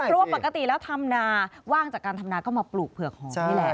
เพราะว่าปกติแล้วทำนาว่างจากการทำนาก็มาปลูกเผือกหอมนี่แหละ